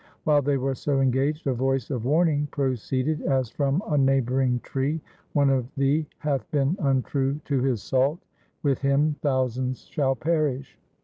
While they were so engaged a voice of warning proceeded as from a neighbouring tree, ' One of thee hath been untrue to his salt. With him thousands shall perish.